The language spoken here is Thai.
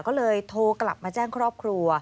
ก็เลยโทรกลับมาแจ้งครอบครัว